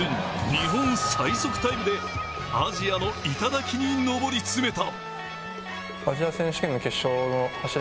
日本最速タイムでアジアの頂に登り詰めた。